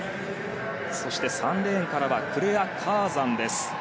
そして、３レーンからはクレア・カーザンです。